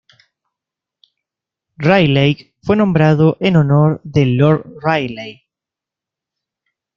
Rayleigh fue nombrado en honor de Lord Rayleigh.